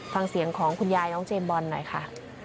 ฟังเสียงของคุณยายน้องเจมส์บอลหน่อยค่ะ